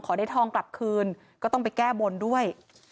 ได้ทองกลับคืนก็ต้องไปแก้บนด้วย